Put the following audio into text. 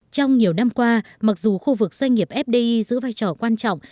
trong nhiều năm qua mặc dù khu vực doanh nghiệp fdi giữ vai trò quan trọng